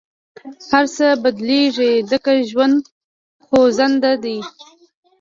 هر څه بدلېږي، ځکه ژوند خوځنده دی.